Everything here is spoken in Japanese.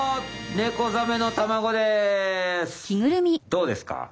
どうですか？